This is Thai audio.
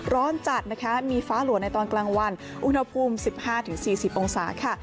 ร้อนจัดนะคะมีฟ้าหลัวในตอนกลางวันอุณหภูมิ๑๕๔๐องศาค่ะ